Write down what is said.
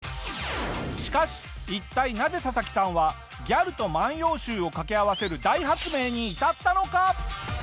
しかし一体なぜササキさんはギャルと『万葉集』を掛け合わせる大発明に至ったのか？